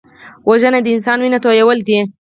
وژنه د انسان وینه تویول دي